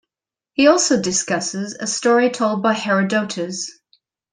He also discusses a story told by Herodotus.